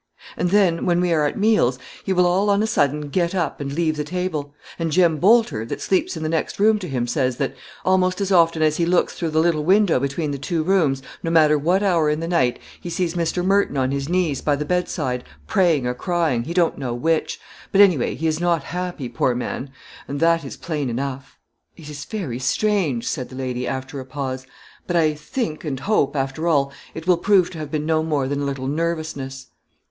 "And, then, when we are at meals, he will, all on a sudden, get up, and leave the table; and Jem Boulter, that sleeps in the next room to him, says, that, almost as often as he looks through the little window between the two rooms, no matter what hour in the night, he sees Mr. Merton on his knees by the bedside, praying or crying, he don't know which; but, any way, he is not happy poor man! and that is plain enough." "It is very strange," said the lady, after a pause; "but, I think, and hope, after all, it will prove to have been no more than a little nervousness."